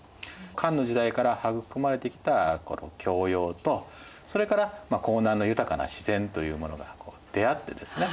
漢の時代から育まれてきた教養とそれから江南の豊かな自然というものが出会ってですね